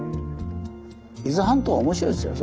伊豆半島は面白いですよ。